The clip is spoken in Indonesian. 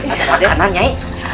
ada makanan nyai